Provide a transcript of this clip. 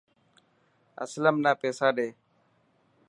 اسلم نا پيسا ڏي.